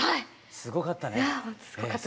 すごかったです。